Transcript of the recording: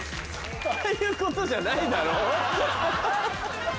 ああいうことじゃないだろ。